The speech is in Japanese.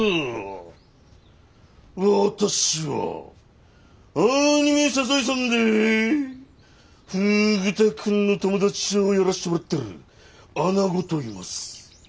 私はアニメ「サザエさん」でフグ田くんの友達をやらしてもらってるアナゴといいます。